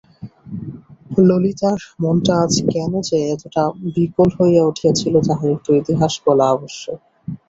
ললিতার মনটা আজ কেন যে এতটা বিকল হইয়া উঠিয়াছিল তাহার একটু ইতিহাস বলা আবশ্যক।